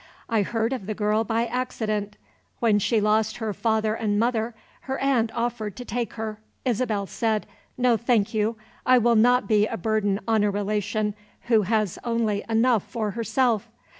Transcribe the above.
I heard of the girl by accident. When she lost her father and mother, her aunt offered to take her. Isabel said, 'No, thank you; I will not be a burden on a relation who has only enough for herself.